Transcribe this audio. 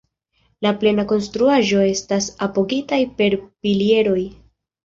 La plena konstruaĵo estas apogitaj per pilieroj.